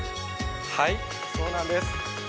はいそうなんです。